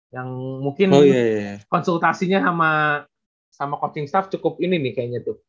yang mungkin konsultasinya sama coaching staff cukup ini nih kayaknya tuh